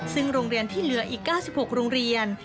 ซึ่งโรงเรียนที่เหลืออีก๙๖โรงเรียน